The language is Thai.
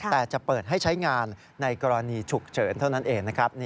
แต่จะเปิดให้ใช้งานในกรณีฉุกเฉินเท่านั้นเองนะครับ